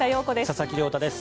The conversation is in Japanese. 佐々木亮太です。